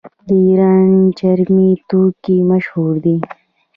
د ایران چرمي توکي مشهور دي.